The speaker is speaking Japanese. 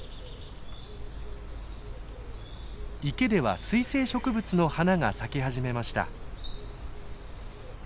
池では水生植物の花が咲き始めました。